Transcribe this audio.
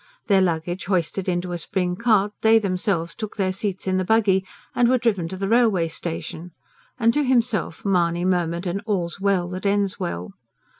Their luggage hoisted into a spring cart, they themselves took their seats in the buggy and were driven to the railway station; and to himself Mahony murmured an all's well that ends well.